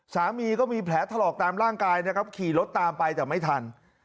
สามีก็มีแผลถลอกตามร่างกายขี่รถตามไปไม่ทัน